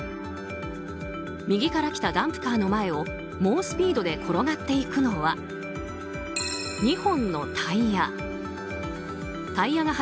右から来たダンプカーの前を猛スピードで転がっていくのは２本のタイヤ。